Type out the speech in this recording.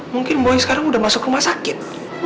mungkin boy sekarang udah masuk rumah sakit